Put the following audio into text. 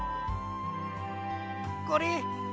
これ。